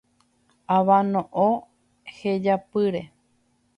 Avano'õ hejapyre.